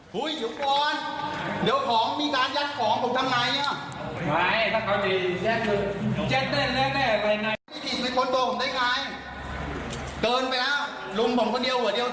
คุณแจ้งกันด้วยครับ